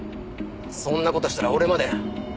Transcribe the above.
そんな事したら俺まで。